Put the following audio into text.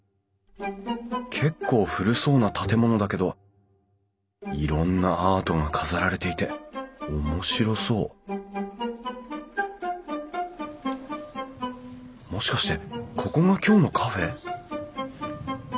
結構古そうな建物だけどいろんなアートが飾られていておもしろそうもしかしてここが今日のカフェ？